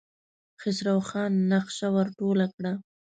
خسرو خان نخشه ور ټوله کړه.